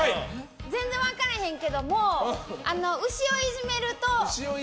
全然分からへんけども牛をいじめると。